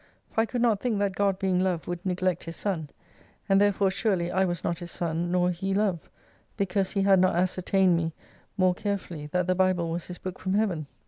For I could not think that God being Love would neglect His Son, and therefore surely I was not His son, nor He Love : because He had not ascertained* me more carefully, that the Bible was His book from Heaven.